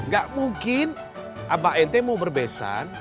gak mungkin abang ente mau berbesan